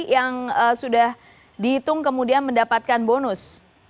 yang sudah dihitung kemudian mendapatkan bonus